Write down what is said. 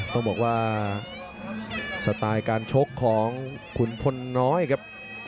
ต้องบอกว่าสไตล์การชกของขุนพลน้อยครับ